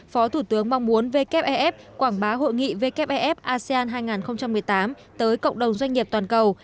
phó thủ tướng mong muốn wff quảng bá hội nghị wff asean hai nghìn một mươi tám tới cộng đồng doanh nghiệp toàn cầu